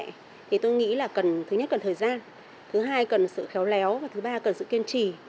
thì tôi nghĩ là cần thứ nhất cần thời gian thứ hai cần sự khéo léo và thứ ba cần sự kiên trì